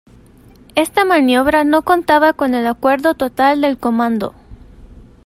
Esta maniobra no contaba con el acuerdo total del comando.